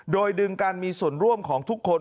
โดยดึงการมีส่วนร่วมของทุกคน